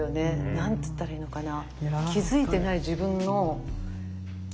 何つったらいいのかな